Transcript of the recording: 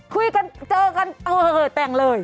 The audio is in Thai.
คุยกันเจอกันเออแต่งเลย